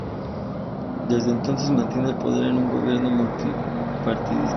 Desde entonces, mantiene el poder en un gobierno multipartidista.